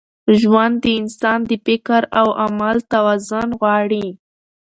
ژوند د انسان د فکر او عمل توازن غواړي.